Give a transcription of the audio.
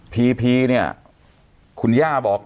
พีพีเนี่ยคุณย่าบอก